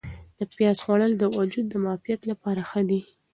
د پیاز خوړل د وجود د معافیت لپاره ښه دي.